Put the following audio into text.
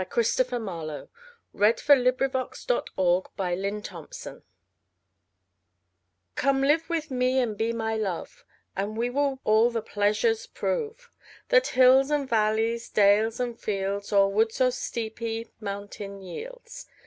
Christopher Marlowe. 1564–93 121. The Passionate Shepherd to His Love COME live with me and be my Love, And we will all the pleasures prove That hills and valleys, dales and fields, Or woods or steepy mountain yields.